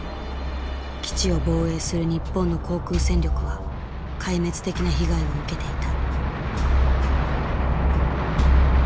基地を防衛する日本の航空戦力は壊滅的な被害を受けていた。